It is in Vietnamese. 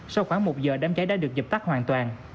sau khoảng một giờ đám cháy đã được dập tắt hoàn toàn